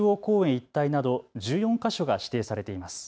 一帯など１４か所が指定されています。